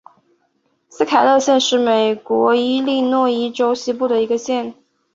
斯凯勒县是美国伊利诺伊州西部的一个县。